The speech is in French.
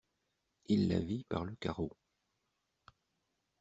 Il la vit par le carreau.